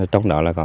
trong đó là có